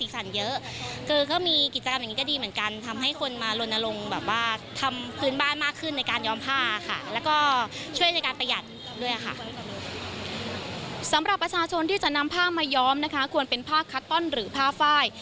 สำหรับประชาชนที่จะนำผ้ามาย้อมนะคะควรเป็นผ้าคัตตอนหรือผ้าไฟ